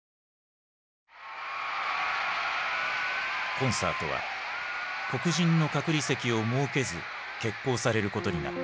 コンサートは黒人の隔離席を設けず決行されることになった。